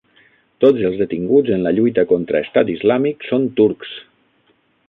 Tots els detinguts en la lluita contra Estat Islàmic són turcs